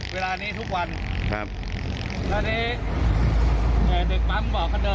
กลับมาตัวแล้วก็หัวอีกครับส่วนสาเหตุตรงเนี้ย